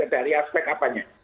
dari aspek apanya